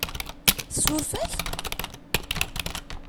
Tsuref-ak?